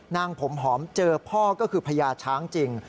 นางผมหอมเจอพ่อก็คือพญาช้างจริง